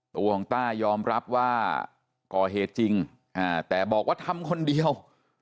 ตัวของต้ายอมรับว่าก่อเหตุจริงแต่บอกว่าทำคนเดียว